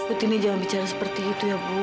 seperti ini jangan bicara seperti itu ya bu